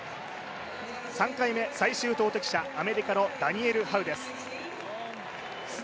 ３回目、最終投てき者、アメリカのダニエル・ハウです。